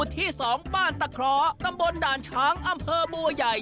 ที่๒บ้านตะเคราะห์ตำบลด่านช้างอำเภอบัวใหญ่